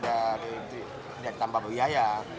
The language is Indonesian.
dan tidak ditambah bewiaya